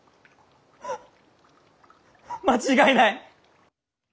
間違いない！